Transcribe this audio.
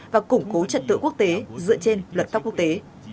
và củng cố trận tựu quốc tế dựa trên luật tóc quốc tế